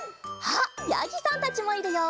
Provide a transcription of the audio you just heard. あっやぎさんたちもいるよ！